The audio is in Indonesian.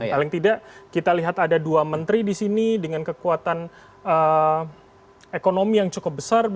paling tidak kita lihat ada dua menteri di sini dengan kekuatan ekonomi yang cukup besar